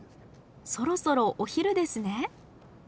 そろそろお昼ですね。